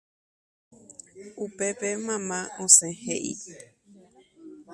Upépe mamá osẽ he'i